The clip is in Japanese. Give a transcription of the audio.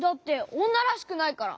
おとこらしくないから！